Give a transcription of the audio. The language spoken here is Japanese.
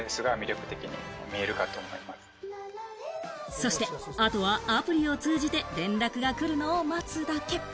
そして後はアプリを通じて連絡が来るのを待つだけ。